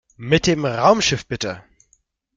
Mit dem Raumschiff bitte!